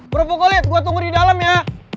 bro pokoknya liat gua tunggu di dalam ya